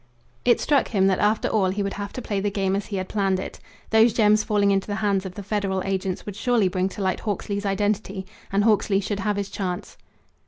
It struck him that after all he would have to play the game as he had planned it. Those gems falling into the hands of the Federal agents would surely bring to light Hawksley's identity; and Hawksley should have his chance.